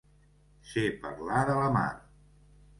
Ser parlar de la mar.